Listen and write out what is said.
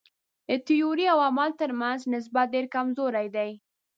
د تیورۍ او عمل تر منځ نسبت ډېر کمزوری دی.